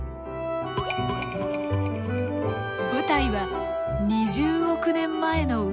舞台は２０億年前の海。